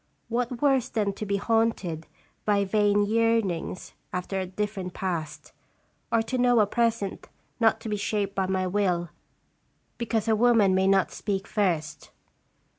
What worse than to be haunted by vain yearnings after a different past, or to know a present not to be shaped by my will because a woman may not speak first.